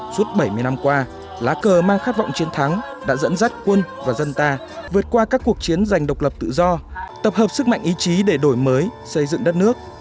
suốt bảy mươi năm qua lá cờ mang khát vọng chiến thắng đã dẫn dắt quân và dân ta vượt qua các cuộc chiến giành độc lập tự do tập hợp sức mạnh ý chí để đổi mới xây dựng đất nước